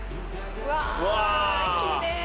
わきれい。